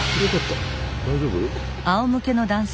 大丈夫？